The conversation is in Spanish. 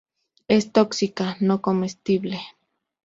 Es tóxica, no comestible.